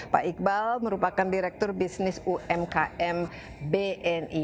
pak iqbal merupakan direktur bisnis umkm bni